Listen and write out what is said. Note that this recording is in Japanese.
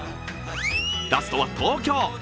ラストは東京。